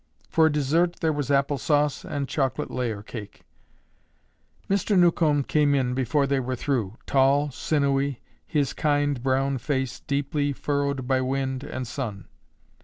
For dessert there was apple sauce and chocolate layer cake. Mr. Newcomb came in before they were through, tall, sinewy, his kind brown face deeply furrowed by wind and sun.